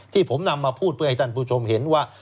ที่ผมนำมาพูดเพื่อให้ท่านผู้ชมเห็นว่า